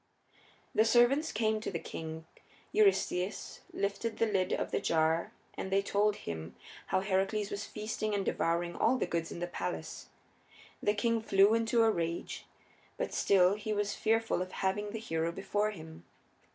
The servants came to the king; Eurystheus lifted the lid of the jar and they told him how Heracles was feasting and devouring all the goods in the palace. The king flew into a rage, but still he was fearful of having the hero before him.